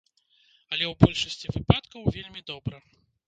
Але ў большасці выпадкаў вельмі добра.